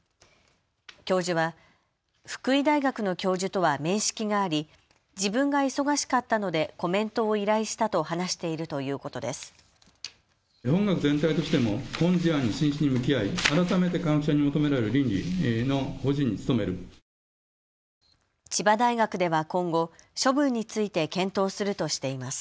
教授は福井大学の教授とは面識があり、自分が忙しかったのでコメントを依頼したと話しているということです。